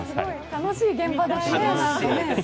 楽しい現場ですね。